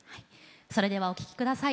それではお聴き下さい。